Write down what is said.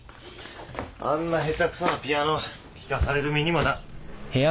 あんな下手クソなピアノ聴かされる身にもな。